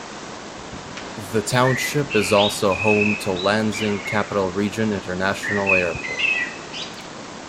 The township is also home to Lansing Capital Region International Airport.